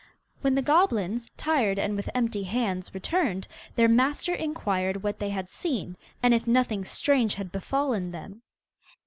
When the goblins, tired and with empty hands, returned, their master inquired what they had seen, and if nothing strange had befallen them.